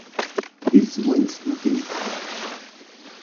Изволь смотреть.